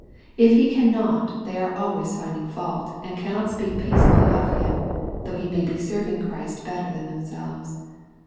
If he cannot, they are always finding fault, and cannot speak peaceably of him, though he may be serving Christ better than themselves.